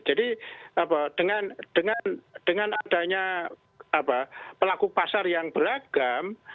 jadi dengan adanya pelaku pasar yang beragam